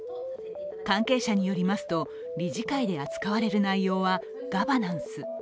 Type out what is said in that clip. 関係者によりますと理事会で扱われる内容はガバナンス。